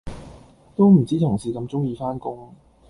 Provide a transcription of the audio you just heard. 都唔知同事咁鍾意返工